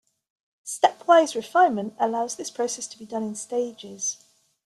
"Stepwise refinement" allows this process to be done in stages.